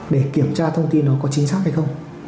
để kiểm tra thông tin nó có chính xác hay không